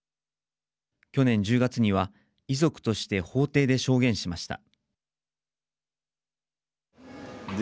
去年１０月には遺族として法廷で証言しました。